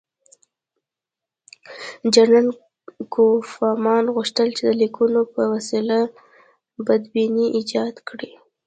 جنرال کوفمان غوښتل چې د لیکونو په وسیله بدبیني ایجاد کړي.